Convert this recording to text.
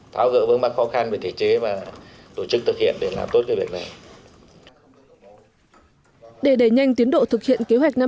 tháo gỡ vững mặt khó khăn về thể chế và tổ chức thực hiện để làm tốt việc này